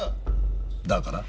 だから？